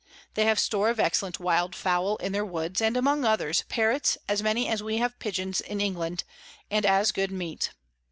They have Store of excellent Wild Fowl in their Woods, and among others, Parrots as many as we have Pidgeons in England, and as good Meat.